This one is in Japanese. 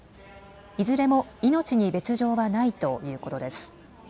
いずれも命に別状はないということです。